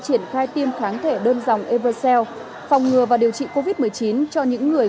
triển khai tiêm kháng thể đơn dòng eversea phòng ngừa và điều trị covid một mươi chín cho những người